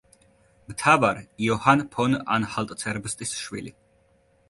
მთავარ იოჰან ფონ ანჰალტ-ცერბსტის შვილი.